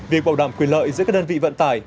việc bảo đảm quyền lợi giữa các đơn vị vận tải